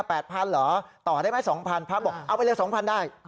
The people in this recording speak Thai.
แปดพันเหรอต่อได้ไหมสองพันพระบอกเอาไปเลยสองพันได้